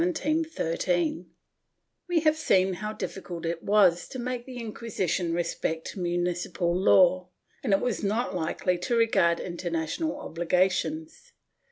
^ We have seen how difficult it was to make the Inquisition respect municipal law, and it was not Hkely to regard international obli gations.